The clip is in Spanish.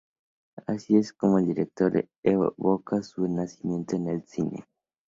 Así es como el director evoca su nacimiento en el cine.